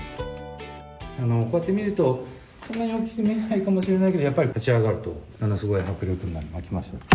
こうやって見ると、そんなに大きく見えないかもしれないけど、やっぱり立ち上がるとものすごい迫力になりますよ。